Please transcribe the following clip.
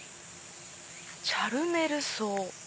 チャルメルソウ！